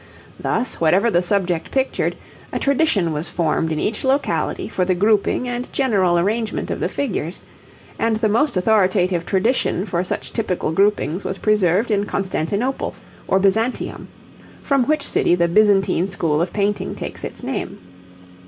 Thus, whatever the subject pictured, a tradition was formed in each locality for the grouping and general arrangement of the figures, and the most authoritative tradition for such typical groupings was preserved in Constantinople or Byzantium, from which city the 'Byzantine' school of painting takes its name.